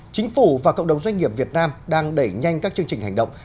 chính phủ và cộng đồng doanh nghiệp việt nam đang đẩy nhanh các chương trình hành động